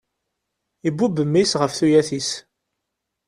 Ibubb mmi-s ɣef tuyat-is.